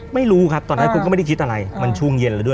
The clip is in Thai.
ไม่รู้ครับตอนนั้นคุณก็ไม่ได้คิดอะไรมันช่วงเย็นแล้วด้วย